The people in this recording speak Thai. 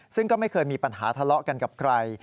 ซึ่งก็ไม่เคยมีปัญหาทะเลาะกันกับใคร